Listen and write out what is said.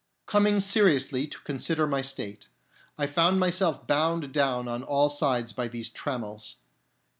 —' Coming seriously to consider my state, I found myself bound down on all sides by these trammels.